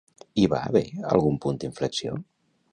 Hi va haver algun punt d'inflexió?